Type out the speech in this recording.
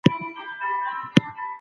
داخلي سکتور د ټکنالوژۍ زده کړه کوي.